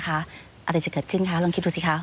อะไรจะเกิดขึ้นคะลองคิดดูสิคะ